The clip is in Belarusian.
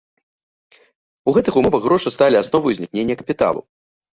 У гэтых умовах грошы сталі асновай узнікнення капіталу.